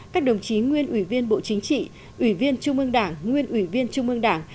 các đồng chí nguyên ủy viên bộ chính trị ủy viên trung ương đảng nguyên ủy viên trung ương đảng